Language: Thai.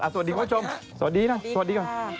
สวัสดีคุณผู้ชมสวัสดีนะสวัสดีก่อน